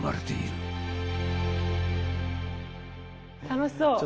楽しそう。